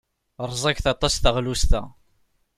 Rẓaget aṭas teɣlust-a.